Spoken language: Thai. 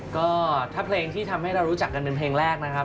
ก็ถ้าเพลงที่ทำให้เรารู้จักกันเป็นเพลงแรกนะครับ